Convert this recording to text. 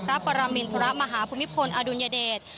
พระปรมินทรมาฮภูมิพลอดุลยเดช